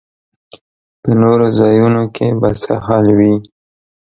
په نورو ځایونو کې به څه حال وي.